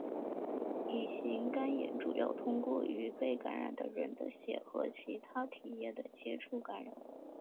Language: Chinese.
乙型肝炎主要通过与被感染的人的血和其它体液的接触传染。